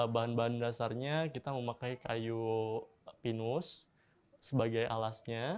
bahan bahan dasarnya kita memakai kayu pinus sebagai alasnya